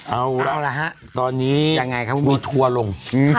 เอาระตอนนี้มีทัวร์ลง